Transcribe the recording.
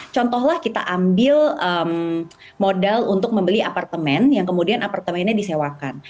contohlah kita ambil modal untuk membeli apartemen yang kemudian apartemennya disewakan